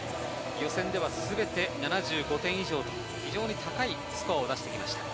予選では全て７５点以上、非常に高いスコアを出してきました。